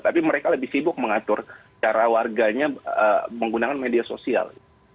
tapi mereka lebih sibuk mengatur cara warganya menggunakan media sosial